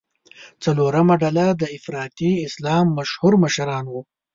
څلورمه ډله د افراطي اسلام مشهور مشران وو.